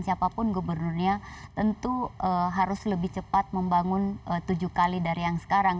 siapapun gubernurnya tentu harus lebih cepat membangun tujuh kali dari yang sekarang